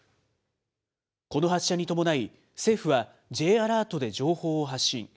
この発射に伴い、政府はＪアラートで情報を発信。